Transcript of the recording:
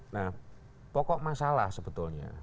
nah pokok masalah sebetulnya